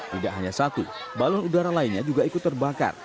tidak hanya satu balon udara lainnya juga ikut terbakar